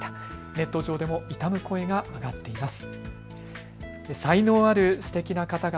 ネット上でも悼む声が上がっています。